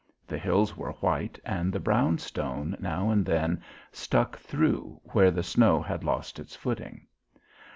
The hills were white and the brown stone now and then stuck thru where the snow had lost its footing.